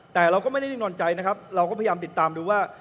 แต่เราก็ไม่ได้นิ่งนอนใจนะครับเราก็พยายามติดตามดูว่า